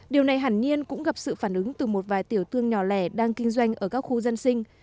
điều này hẳn nhiên cũng gặp sự phản ứng từ một vài tiểu thương nhỏ lẻ đang kinh doanh ở các khu dân sinh